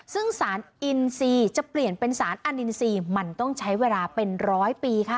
ซึ่งสารอินซีจะเปลี่ยนเป็นสารอนินทรีย์มันต้องใช้เวลาเป็นร้อยปีค่ะ